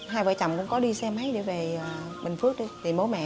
hai vợ chồng cũng có đi xe máy để về bình phước đi tìm bố mẹ